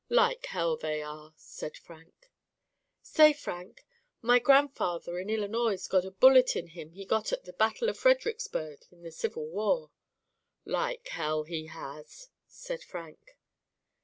'Like hell they are,' said Frank. 'Say Frank, my grandfather in Illinois 's got a bullet in him he got at the battle o' Fredericksburg in the Civil War.' 'Like hell he has,' said Frank.